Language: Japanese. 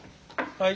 はい。